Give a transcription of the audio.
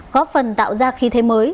góp phần tạo ra khí thế mới